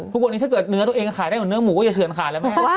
ทุกวันนี้ถ้าเกิดเนื้อตัวเองค่าได้เหมือนเนื้อหมูก็อย่าเฉียนค่าแล้ว